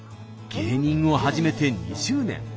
芸人を始めて２０年。